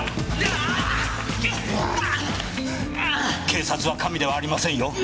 警察は神ではありませんよ。